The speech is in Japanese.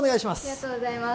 ありがとうございます。